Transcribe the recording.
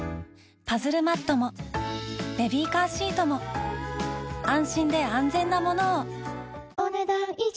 パズルマットもベビーカーシートも安心で安全なものをお、ねだん以上。